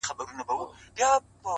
ستا د تورو سترگو اوښکي به پر پاسم _